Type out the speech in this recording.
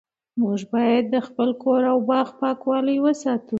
موږ باید د خپل کور او باغ پاکوالی وساتو